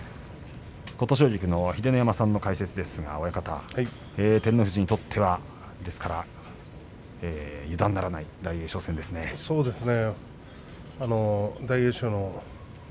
琴奨菊の秀ノ山さんの解説ですが親方、照ノ富士にとってはですから油断ならない大栄翔戦ですね。